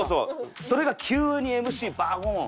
それが急にＭＣバコーン！